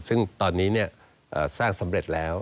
ซึ่งตอนนี้สร้างสำเร็จแล้ว